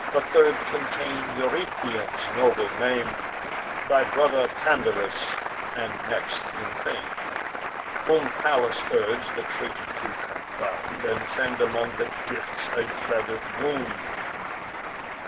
The third contain'd Eurytion's noble name, Thy brother, Pandarus, and next in fame, Whom Pallas urg'd the treaty to confound, And send among the Greeks a feather'd wound.